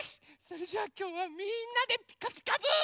それじゃあきょうはみんなで「ピカピカブ！」。